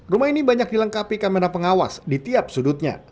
rumah ini banyak dilengkapi kamera pengawas di tiap sudutnya